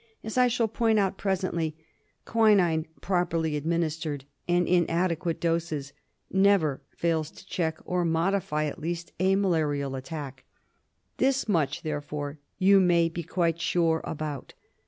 As I shall point out presently, quinine properly ad ministered and in adequate doses never fails to check, or modify at least, a malarial attack. This much, there fore, you may be quite sure about.